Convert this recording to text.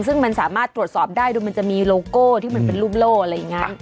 ซึ่งมันสามารถตรวจสอบได้ดูมันจะมีโลโก้ที่มันเป็นรูปโล่อะไรอย่างนี้